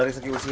dari segi usia